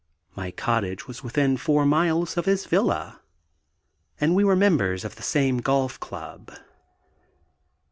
My cottage was within four miles of his villa, and we were members of the same golf club.